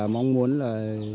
mong muốn là